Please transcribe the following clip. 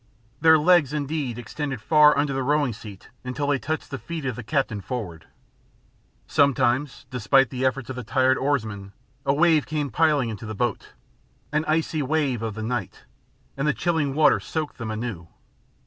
Their legs indeed extended far under the rowing seat until they touched the feet of the captain forward. Sometimes, despite the efforts of the tired oarsman, a wave came piling into the boat, an icy wave of the night, and the chilling water soaked them anew.